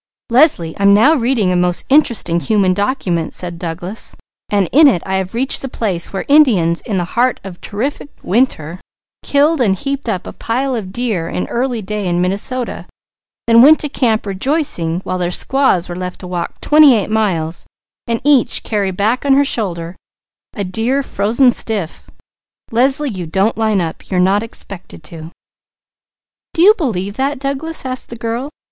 "Leslie, I'm now reading a most interesting human document," said Douglas, "and in it I have reached the place where Indians in the heart of terrific winter killed and heaped up a pile of deer in early day in Minnesota, then went to camp rejoicing, while their squaws were left to walk twenty eight miles and each carry back on her shoulder a deer frozen stiff. Leslie, you don't line up! You are not expected to." "Do you believe that, Douglas?" asked the girl.